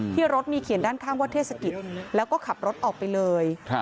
รถมีเขียนด้านข้างว่าเทศกิจแล้วก็ขับรถออกไปเลย